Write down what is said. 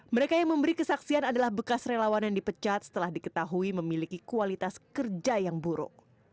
mereka yang memberi kesaksian adalah bekas relawan yang dipecat setelah diketahui memiliki kualitas kerja yang buruk